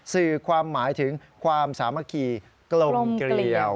สื่อความหมายถึงความสามัคคีกลมเกลียว